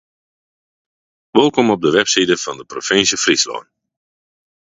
Wolkom op de webside fan de provinsje Fryslân.